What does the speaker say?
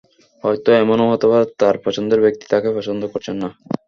হয়তো এমনও হতে পারে, তাঁর পছন্দের ব্যক্তিই তাঁকে পছন্দ করছেন না।